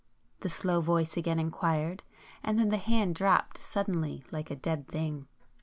the slow voice again inquired,—and then the hand dropped suddenly like a dead thing.